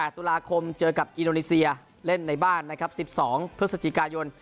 ตุลาคมเจอกับอินโดนีเซียเล่นในบ้านนะครับ๑๒พฤศจิกายน